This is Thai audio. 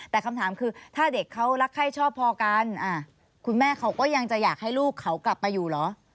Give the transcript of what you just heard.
แต่คำถามคือถ้าเด็กเขารักไข้ชอบพอกันคุณแม่เขาก็ยังจะอยากให้ลูกเขากลับมาอยู่เหรอ